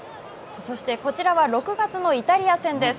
そして、こちらは６月のイタリア戦です。